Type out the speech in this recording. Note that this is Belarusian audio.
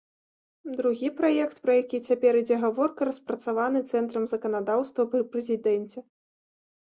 Другі праект, пра які цяпер ідзе гаворка, распрацаваны цэнтрам заканадаўства пры прэзідэнце.